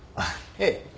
ええ。